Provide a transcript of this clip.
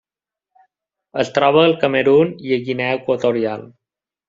Es troba al Camerun i Guinea Equatorial.